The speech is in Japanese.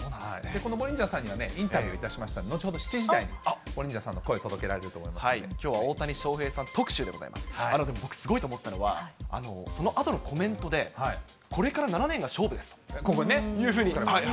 このボリンジャーさんにはインタビューしましたので、後ほど７時台に、ボリンジャーさんの声、届けられると思いますので、きょうは大谷翔平さん特集で改めて僕すごいと思ったのは、そのあとのコメントで、今後ね。